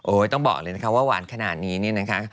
ต้องบอกเลยนะคะว่าหวานขนาดนี้เนี่ยนะคะ